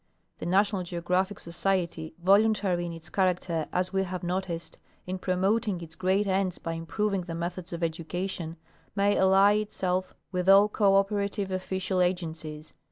The National Geographic Society, voluntary in its character as we have noticed, in promoting its great ends by improving the methods of education, may ally itself with .all cooperative official agencies.